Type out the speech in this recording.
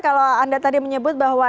kalau anda tadi menyebut bahwa